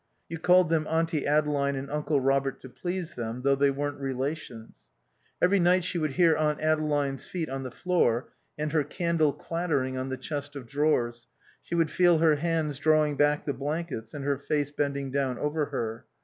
(You called them Auntie Adeline and Uncle Robert to please them, though they weren't relations.) Every night she would hear Aunt Adeline's feet on the floor and her candle clattering on the chest of drawers, she would feel her hands drawing back the blankets and her face bending down over her.